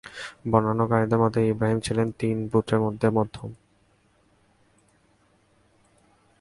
বর্ণনাকারীদের মতে, ইবরাহীম ছিলেন তিন পুত্রের মধ্যে মধ্যম।